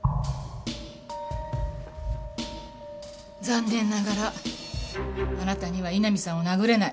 残念ながらあなたには井波さんを殴れない。